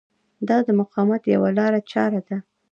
دا د مقاومت یوه لارچاره ده.